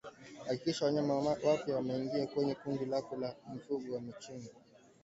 Hakikisha wanyama wapya wanaoingia kwenye kundi lako la mifugo wamechanjwa